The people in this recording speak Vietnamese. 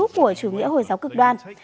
của chủ nghĩa hồi giáo cực đoan